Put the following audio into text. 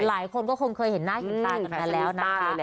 หลายคนก็คงเคยเห็นหน้าเห็นตากันมาแล้วนะคะ